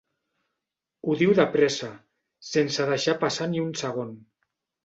Ho diu de pressa, sense deixar passar ni un segon.